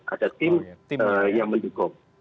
ada tim yang mendukung